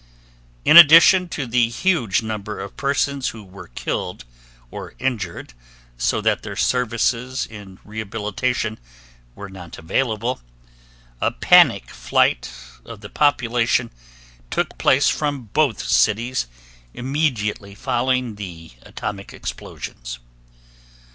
In addition to the huge number of persons who were killed or injuried so that their services in rehabilitation were not available, a panic flight of the population took place from both cities immediately following the atomic explosions.